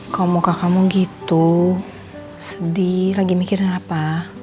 kamu muka kamu gitu sedih lagi mikirin apa